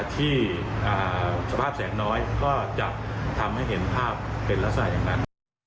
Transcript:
ที่สภาพแสงน้อยก็จะทำให้เห็นภาพเป็นลักษณะอย่างนั้น